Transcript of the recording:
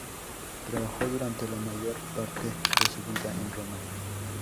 Trabajó durante la mayor parte de su vida en Roma.